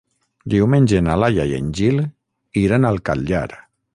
Diumenge na Laia i en Gil iran al Catllar.